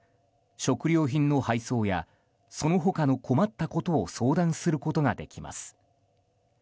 食料品の配送やその他の困ったことを相談することができます。